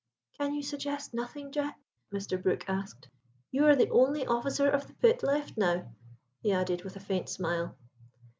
"Can you suggest nothing, Jack?" Mr. Brook asked. "You are the only officer of the pit left now," he added with a faint smile.